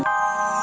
saya akan berhenti